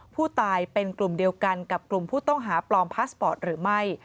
ผู้ตายเป็นกลุ่มเดียวกันกับกลุ่มผู้ต้องหาปลอมพาสปอร์ตหรือไม่